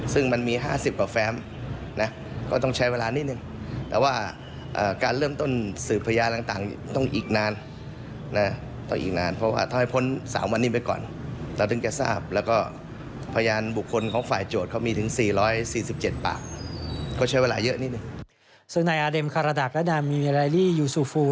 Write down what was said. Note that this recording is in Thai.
ซึ่งในอเด็มคาระดักและนามิเมริลลี่ยูซูฟู